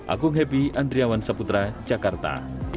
agung happy andriawan saputra jakarta